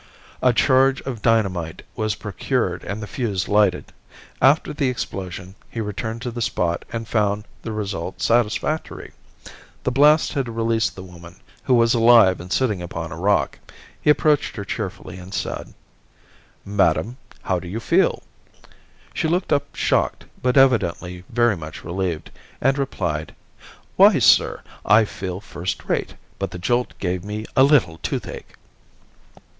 A charge of dynamite was procured and the fuse lighted. After the explosion he returned to the spot and found the result satisfactory. The blast had released the woman, who was alive and sitting upon a rock. He approached her cheerfully and said: "Madam, how do you feel?" She looked up shocked, but evidently very much relieved, and replied "Why, sir, I feel first rate, but the jolt gave me a little toothache."